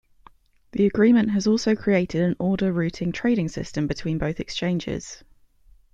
The agreement has also created an order routing trading system between both exchanges.